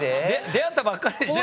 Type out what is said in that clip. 出会ったばっかりでしょ？